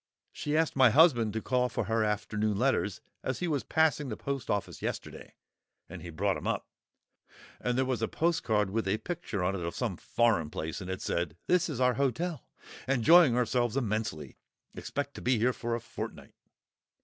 She asked my husband to call for her afternoon letters as he was passing the post office yesterday, and he brought 'em up, and there was a postcard with a picture on it of some foreign place, and it said, 'This is our hotel; enjoying ourselves immensely; expect to be here a fortnight.